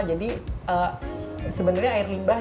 jadi sebenarnya air limbah